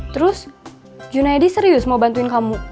terus junaidi serius mau bantuin kamu